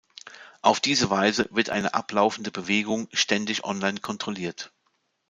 Auf diese Weise wird eine ablaufende Bewegung ständig online kontrolliert.